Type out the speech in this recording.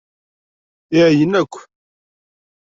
Iɛeyyen-ak.